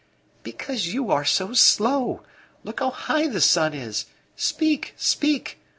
"Because you are so slow. Look how high the sun is! Speak, speak!